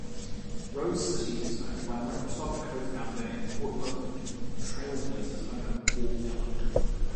Rose City is owned by Microsoft co-founder and Portland Trail Blazers owner Paul Allen.